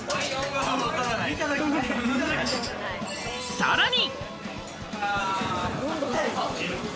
さらに。